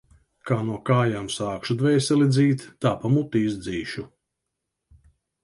Kā no kājām sākšu dvēseli dzīt, tā pa muti izdzīšu.